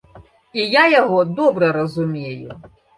І я яго добра разумею.